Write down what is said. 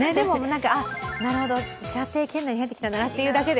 なるほど、射程圏内に入ってきたなというだけで。